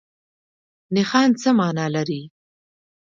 نښان څه مانا لري؟